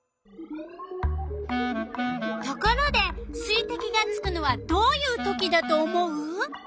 ところで水てきがつくのはどういうときだと思う？